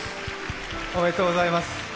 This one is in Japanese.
おめでとうございます。